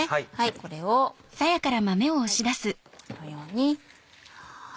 これをこのように。